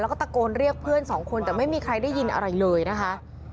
แล้วก็ตะโกนเรียกเพื่อนสองคนแต่ไม่มีใครได้ยินอะไรเลยนะคะ